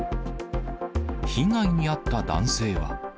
被害に遭った男性は。